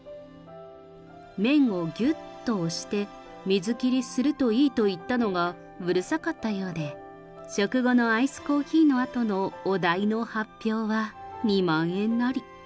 麺をぎゅっと押して、水切りするといいと言ったのがうるさかったようで、食後のアイスコーヒーのあとのお題の発表は２万円也。